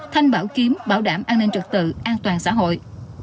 thanh bảo kiếm bảo đảm an ninh trật tự an toàn xã hội